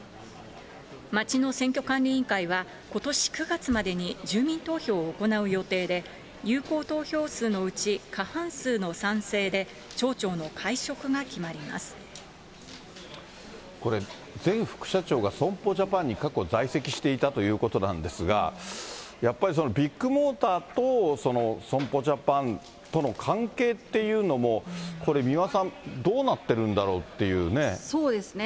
町の選挙管理委員会は、ことし９月までに住民投票を行う予定で、有効投票数のうち過半数の賛成で、これ、前副社長が損保ジャパンに過去、在籍していたということなんですが、やっぱりビッグモーターと損保ジャパンとの関係っていうのも、これ、三輪さん、そうですね。